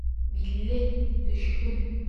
—Билле төшһөн!